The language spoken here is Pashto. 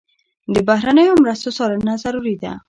د بهرنیو مرستو څارنه ضروري ده.